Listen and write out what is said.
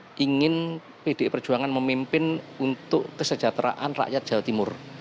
saya ingin pdi perjuangan memimpin untuk kesejahteraan rakyat jawa timur